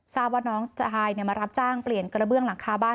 ทราบว่าน้องชายมารับจ้างเปลี่ยนกระเบื้องหลังคาบ้าน